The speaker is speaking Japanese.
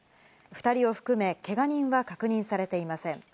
２人を含めけが人は確認されていません。